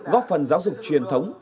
góp phần giáo dục truyền thống